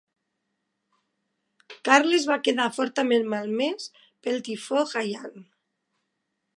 Carles va quedar fortament malmès pel tifó Haiyan.